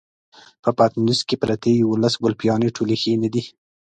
په پټنوس کې پرتې يوولس ګلپيانې ټولې ښې نه دي.